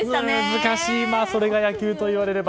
難しいなそれが野球と言われれば。